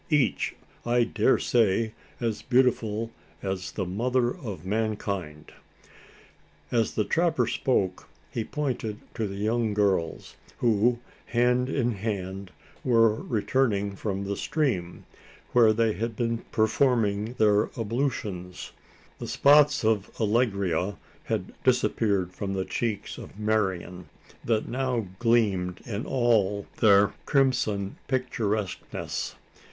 each, I daresay, as beautiful as the mother of mankind!" As the trapper spoke, he pointed to the young girls, who, hand in hand, were returning from the stream where they had been performing their ablutions. The spots of allegria had disappeared from the cheeks of Marian, that now gleamed in all their crimson picturesqueness.